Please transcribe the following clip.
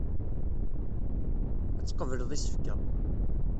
Ad tqebleḍ isefka.